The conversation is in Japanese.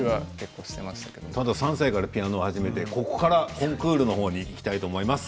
ただ３歳からピアノを始めてここからコンクールにいきたいと思います。